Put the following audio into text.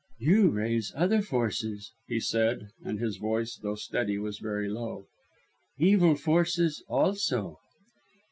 "You raise other forces," he said and his voice, though steady was very low; "evil forces, also."